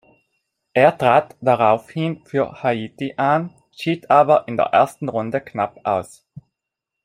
Er trat daraufhin für Haiti an, schied aber in der ersten Runde knapp aus.